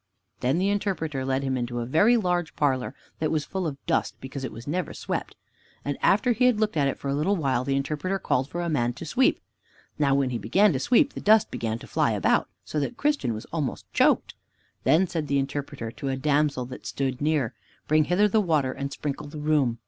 Then the Interpreter led him into a very large parlor that was full of dust, because it was never swept, and after he had looked at it for a little while, the Interpreter called for a man to sweep. Now when he began to sweep, the dust began to fly about, so that Christian was almost choked. Then said the Interpreter to a damsel that stood near, "Bring hither the water and sprinkle the room."